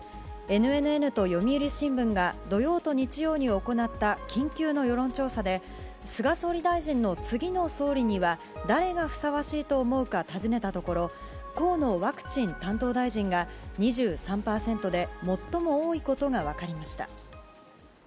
ＮＮＮと読売新聞が土曜と日曜に行った緊急の世論調査で、菅総理大臣の次の総理には誰がふさわしいと思うか尋ねたところ河野ワクチン担当大臣が２３％で最も多いことがわかりました。